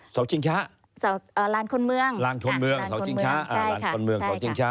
สวนชิงช้าราญคลมเมือง